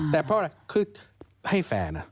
แต่เพราะอะไรคือให้แฟนนะ